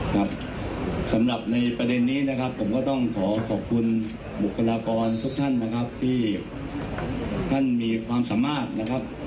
ครับสำหรับในประเด็นนี้นะครับผมก็ต้องขอขอบคุณบุคลากรทุกท่านนะครับที่ท่านมีความสามารถนะครับ